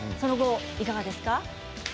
いかがですか？